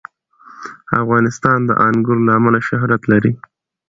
افغانستان د انګور له امله شهرت لري.